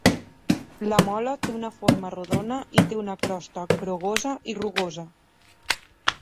La mola té una forma rodona i té una crosta grogosa i rugosa.